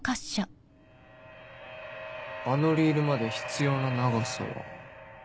あのリールまで必要な長さは。